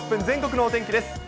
全国のお天気です。